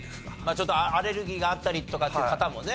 ちょっとアレルギーがあったりとかっていう方もね。